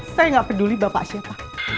saya nggak peduli bapak siapa